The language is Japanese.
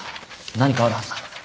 何かあるはずだ。